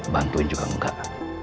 bantuin juga enggak